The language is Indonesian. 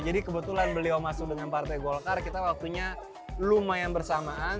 jadi kebetulan beliau masuk dengan partai golkar kita waktunya lumayan bersamaan